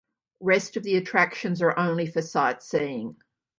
Rest of the attractions are only for sightseeing.